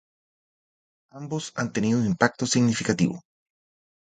Ambos han tenido un impacto significativo.